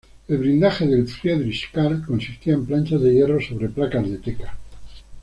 El blindaje del "Friedrich Carl" consistía en planchas de hierro sobre placas de teca.